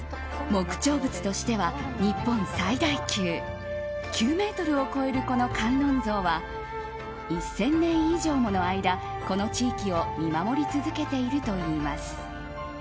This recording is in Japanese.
木彫仏としては日本最大級１０ｍを超えるこの観音像は１０００年以上もの間この地域を見守り続けているといいます。